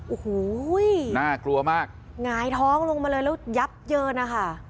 โอ้โหน่ากลัวมากหงายท้องลงมาเลยแล้วยับเยินนะคะ